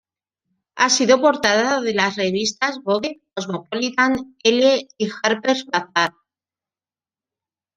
Ha sido portada de las revistas "Vogue", "Cosmopolitan", "Elle" y "Harper's Bazaar".